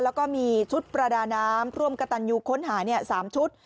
แล้วก็มีชุดประดาน้ำร่วมกระตันยูค้นหา๓ชุด